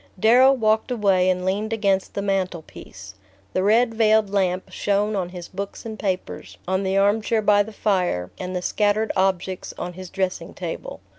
Darrow walked away and leaned against the mantelpiece. The red veiled lamp shone on his books and papers, on the arm chair by the fire, and the scattered objects on his dressing table.